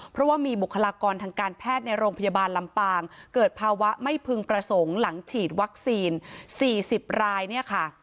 เพราะว่ามีบุคลากรทางการแพทย์ในโรงพยาบาลลำปางเกิดภาวะไม่พึงประสงค์หลังฉีดวัคซีน๔๐รายเนี่ยค่ะ